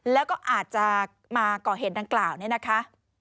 แล้วก็อาจจะมาก่อเหตุดังกล่าวเนี่ยนะคะ